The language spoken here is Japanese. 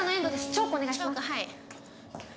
チョークをお願いします。